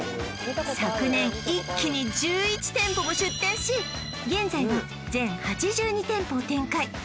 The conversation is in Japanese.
昨年一気に１１店舗も出店し現在は全８２店舗を展開